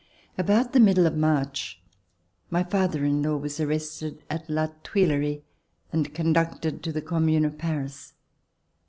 About the middle of March, my father in law was arrested at La Tuilerie and conducted to the Com mune of Paris.